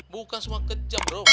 bukan cuma kejam rum